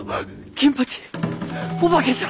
銀八お化けじゃ！